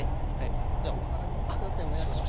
ではお皿に盛って下さいお願いします。